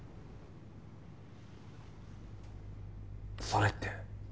それって。